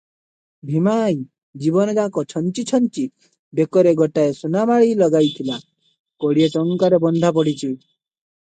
ଭୀମା ଆଈ ଜୀବନଯାକ ଛଞ୍ଚି ଛଞ୍ଚି ବେକରେ ଗୋଟାଏ ସୁନାମାଳୀ ଲଗାଇଥିଲା, କୋଡିଏ ଟଙ୍କାରେ ବନ୍ଧା ପଡିଛି ।